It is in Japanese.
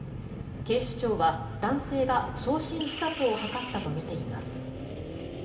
警視庁は男性が焼身自殺を図ったとみています。